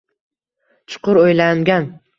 Chuqur o‘ylangan.